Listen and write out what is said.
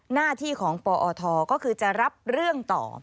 หน้าที่ของปอทก็คือจะรับเรื่องต่อ